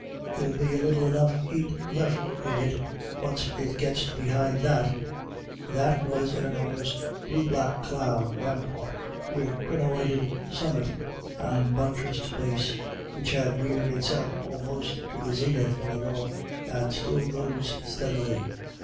There'll be little enough hate left in it onst it gits behind that" u That " was an enormous blue black cloud ram part with crenellated summit and buttressed base, which had reared itself almost to the zenith in the north, and still rose steadily.